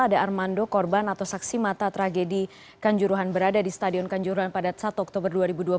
ada armando korban atau saksi mata tragedi kanjuruhan berada di stadion kanjuruhan pada satu oktober dua ribu dua puluh